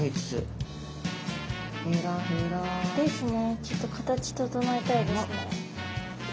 ちょっと形整えたいですね。